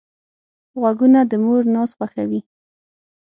غوږونه د مور ناز خوښوي